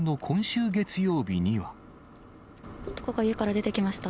男が家から出てきました。